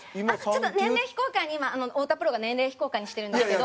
ちょっと年齢非公開に今太田プロが年齢非公開にしてるんですけど。